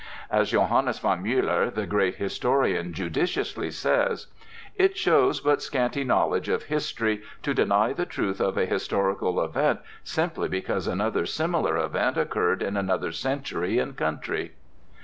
As Johannes von Mueller, the great historian, judiciously says: "It shows but scanty knowledge of history to deny the truth of a historical event simply because another similar event occurred in another century and country."